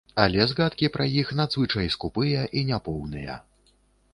Але згадкі пра іх надзвычай скупыя і няпоўныя.